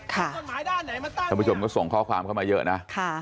คุณผู้ชมก็ส่งข้อความเข้ามาเยอะนะ